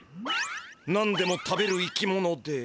何でも食べる生き物で。